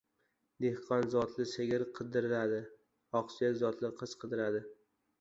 • Dehqon zotli sigir qidiradi, oqsuyak zotli qiz qidiradi.